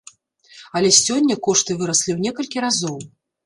Але сёння кошты выраслі ў некалькі разоў.